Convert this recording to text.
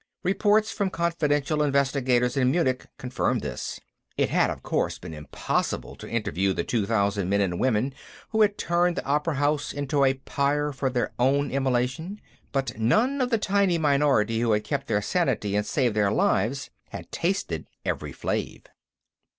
Reports from confidential investigators in Munich confirmed this. It had, of course, been impossible to interview the two thousand men and women who had turned the Opera House into a pyre for their own immolation, but none of the tiny minority who had kept their sanity and saved their lives had tasted Evri Flave.